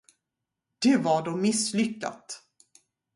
Det var då misslyckat.